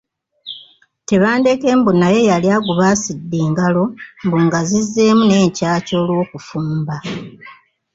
Tebandeke mbu yenna yali agubaasidde engalo mbu nga zizzeemu n’enkyakya olw’okufumba.